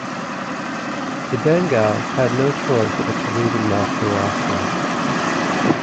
The Bengals had no choice but to leave him off the roster.